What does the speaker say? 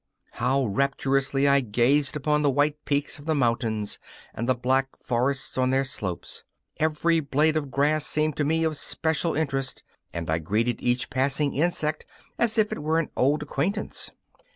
How rapturously I gazed upon the white peaks of the mountains and the black forests on their slopes! Every blade of grass seemed to me of special interest, and I greeted each passing insect as if it were an old acquaintance.